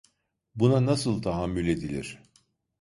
Buna nasıl tahammül edilir?